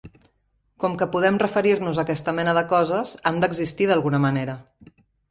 Com que podem referir-nos a aquesta mena de coses, han d'existir d'alguna manera.